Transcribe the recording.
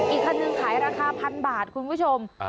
อีกคันนึงขายราคาพันบาทคุณผู้ชม